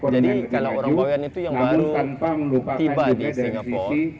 jadi kalau orang bawean itu yang baru tiba di singapura